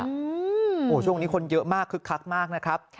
โอ้โหช่วงนี้คนเยอะมากคึกคักมากนะครับ